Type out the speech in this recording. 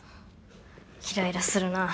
イライラするなぁ。